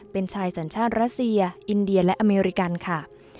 เป็นชายสัญชาติรัสเซียอินเดียและอเมริกันค่ะ